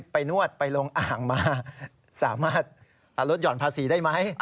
นวดไปลงอ่างมาสามารถลดห่อนภาษีได้ไหม